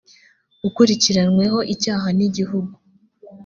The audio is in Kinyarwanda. ukurikiranyweho icyaha n igihugu